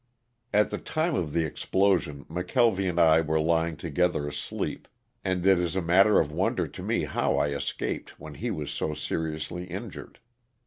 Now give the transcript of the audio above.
At the time of the explosion McKelvy and I were lying together asleep, and it is a matter of wonder to me how I escaped when he was so seriously injured.